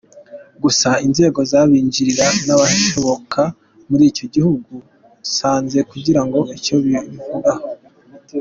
Gusa inzego z’abinjira n’abasohoka muri icyo gihugu zanze kugira icyo zibivugaho.